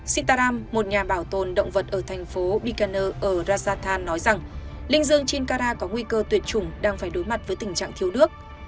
shintaram một nhà bảo tồn động vật ở thành phố bicano ở rajatan nói rằng linh dương chinkara có nguy cơ tuyệt chủng đang phải đối mặt với tình trạng thiếu nước